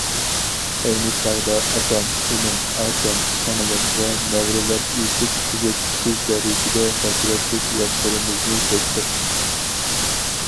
ئەينى چاغدا ئاكام، ئىنىم، ئاچام، سىڭلىم ۋە نەۋرىلەر ئېيتىپ تۈگەتكۈسىز دەرىجىدە ھەسرەتلىك ياشلىرىمىزنى تۆكتۇق.